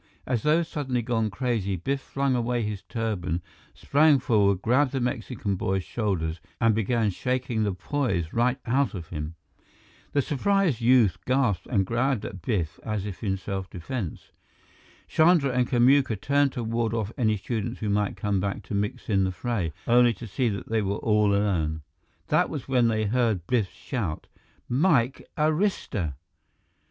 As though suddenly gone crazy, Biff flung away his turban, sprang forward, grabbed the Mexican boy's shoulders, and began shaking the poise right out of him. The surprised youth gasped and grabbed at Biff as if in self defense. Chandra and Kamuka turned to ward off any students who might come back to mix in the fray, only to see that they were all alone. That was when they heard Biff shout: "Mike Arista!"